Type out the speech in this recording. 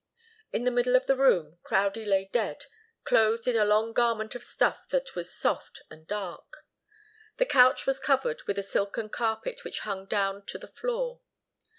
In the middle of the room Crowdie lay dead, clothed in a long garment of stuff that was soft and dark. The couch was covered with a silken carpet which hung down to the floor.